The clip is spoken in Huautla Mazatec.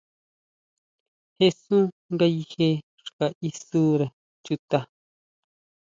Jesún ngayije xka isure chuta.